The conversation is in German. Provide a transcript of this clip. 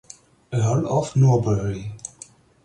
Earl of Norbury.